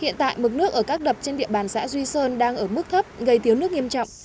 hiện tại mực nước ở các đập trên địa bàn xã duy sơn đang ở mức thấp gây thiếu nước nghiêm trọng